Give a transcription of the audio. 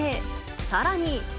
さらに。